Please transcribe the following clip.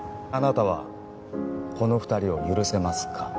あなたはこの２人を許せますか？